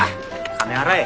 金払え。